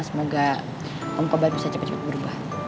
semoga om kobar bisa cepet cepet berubah